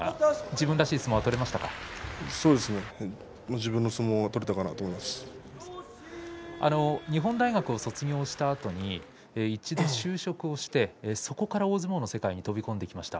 自分の相撲が取れたかな日本大学を卒業したあとに一度就職をしてそこから大相撲の世界に飛び込んできました。